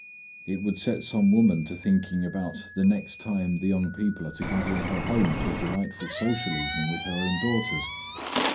It would set some woman to thinking about the next time the young people are to gather in her home for a delightful social evening with her own daughters.